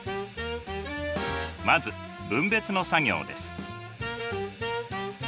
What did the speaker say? まず分別の作業です。